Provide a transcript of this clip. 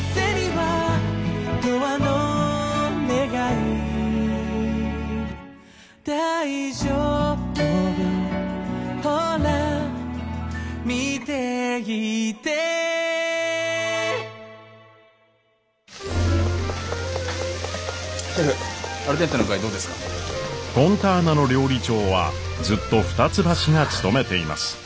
フォンターナの料理長はずっと二ツ橋が務めています。